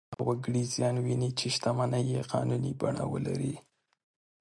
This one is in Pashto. هغه وګړي زیان ویني چې شتمنۍ یې قانوني بڼه ولري.